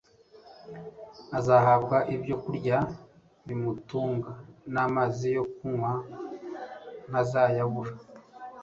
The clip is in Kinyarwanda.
azahabwa ibyo kurya bimutunga n'amazi yo kunywa ntazayabura.